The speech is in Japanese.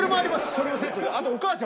それもセットで。